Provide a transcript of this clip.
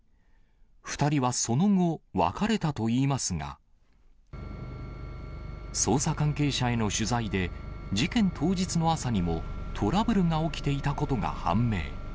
２人はその後、別れたといいますが、捜査関係者への取材で、事件当日の朝にもトラブルが起きていたことが判明。